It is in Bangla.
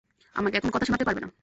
আমাকে এখন কথা শোনাতে পারবে না।